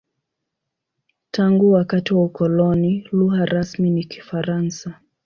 Tangu wakati wa ukoloni, lugha rasmi ni Kifaransa.